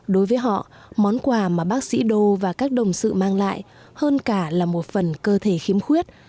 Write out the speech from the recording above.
đối với họ món quà mà bác sĩ đô và các đồng sự mang lại hơn cả là một phần cơ thể khiếm khuyết